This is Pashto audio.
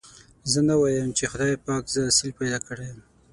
زه نه وايم چې خدای پاک زه اصيل پيدا کړي يم.